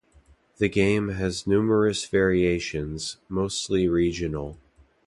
The game has numerous variations, mostly regional.